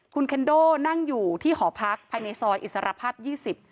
คุณเคนโดนั่งอยู่ที่หอพักภายในซอยอิสรภาพยี่สิบ